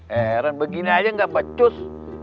heran begini aja gak becus